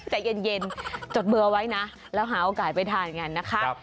ใจเย็นจดเบอร์ไว้นะแล้วหาโอกาสไปทานกันนะคะ